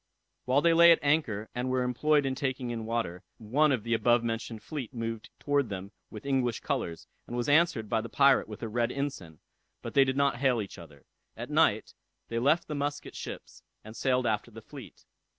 While they lay at anchor, and were employed in taking in water, one of the above mentioned fleet moved towards them with English colors, and was answered by the pirate with a red ensign; but they did not hail each other. At night they left the Muscat ships, and sailed after the fleet.